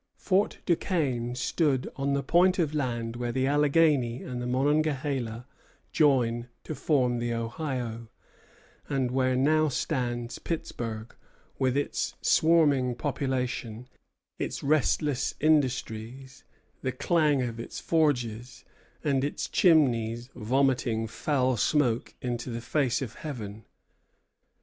Fort Duquesne stood on the point of land where the Alleghany and the Monongahela join to form the Ohio, and where now stands Pittsburg, with its swarming population, its restless industries, the clang of its forges, and its chimneys vomiting foul smoke into the face of heaven.